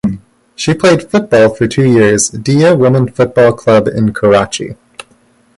She played football for two years Diya Women Football Club in Karachi.